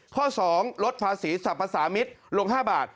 ข้อ๒ลดภาษีสรรพสามิตรลง๕บาท